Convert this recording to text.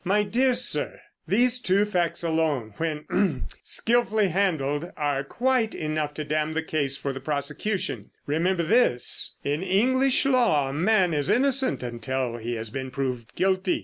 My dear sir, these two facts alone, when—ahem!—skilfully handled, are quite enough to damn the case for the prosecution! Remember this: In English law a man is innocent until he has been proved guilty.